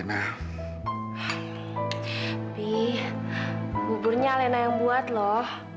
tapi buburnya alena yang buat loh